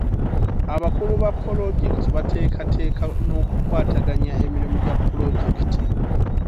Abakulu ba polojekiti bateekateeka n'okukwataganya emirimu gya pulojekiti.